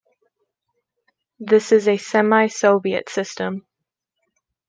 This is a semi-Soviet system.